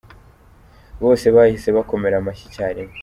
" Bose bahise bakomera amashyi icyarimwe.